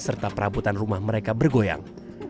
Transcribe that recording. serta perabotan rumah mereka bergoyang